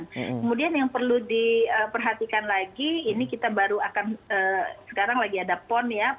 kemudian yang perlu diketahui adalah keputusan yang terkait dengan uji coba new normal ini adalah keputusan yang tepat